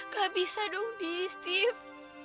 gak bisa dong di steve